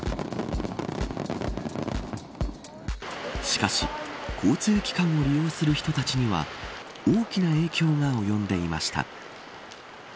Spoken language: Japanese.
しかし交通機関を利用する人たちには大きな影響が及んでいました。